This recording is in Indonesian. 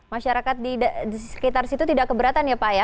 masyarakat di sekitar situ tidak keberatan ya pak ya